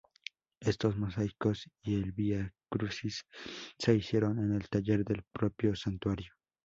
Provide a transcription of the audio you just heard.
Estos mosaicos y el vía crucis se hicieron en el taller del propio santuario.